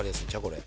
これ。